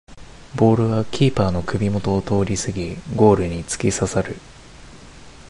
ボールはキーパーの首もとを通りすぎゴールにつきささる